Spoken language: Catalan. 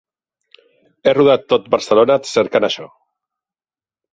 He rodat tot Barcelona cercant això.